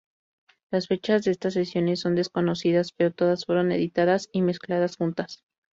Las fechas de estas sesiones son desconocidas pero todas fueron editadas y mezcladas juntas.